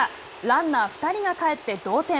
ランナー２人が帰って同点。